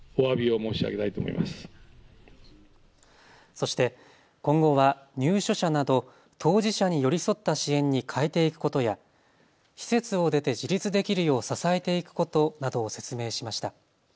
そして今後は入所者など当事者に寄り添った支援に変えていくことや施設を出て自立できるよう支えていくことなどを説明しました。